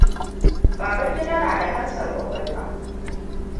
Babangida na da kansar ƙwaƙwalwa.